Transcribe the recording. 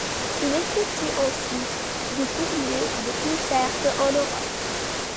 Il effectue ensuite des tournées de concerts en Europe.